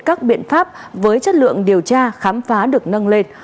các biện pháp với chất lượng điều tra khám phá được nâng lên